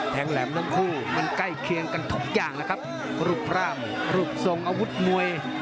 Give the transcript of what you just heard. แหลมทั้งคู่มันใกล้เคียงกันทุกอย่างแล้วครับรูปร่างรูปทรงอาวุธมวย